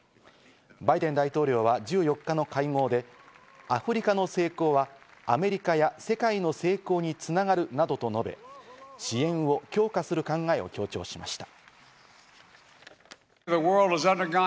バイデン大統領は１４日の会合で、アフリカの成功はアメリカや世界の成功に繋がるなどと述べ、支援を強化する考えを強調しました。